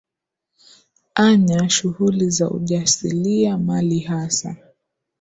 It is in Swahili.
anya shughuli za ujasilia mali hasa